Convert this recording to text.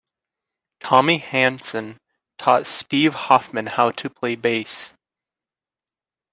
Tommy Hansen taught Steve Hoffman how to play bass.